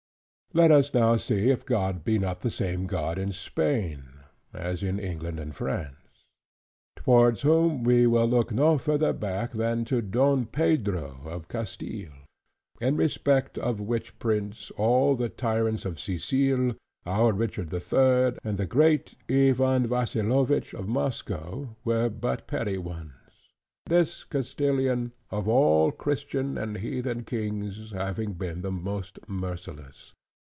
Let us now see if God be not the same God in Spain, as in England and France. Towards whom we will look no further back than to Don Pedro of Castile: in respect of which Prince, all the tyrants of Sicil, our Richard the Third, and the great Ivan Vasilowich of Moscow, were but petty ones: this Castilian, of all Christian and heathen kings, having been the most merciless.